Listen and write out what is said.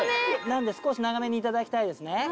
なんで少し長めに頂きたいですね。